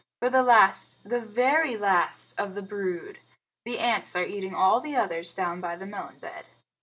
For the last the very last of the brood? The ants are eating all the others down by the melon bed."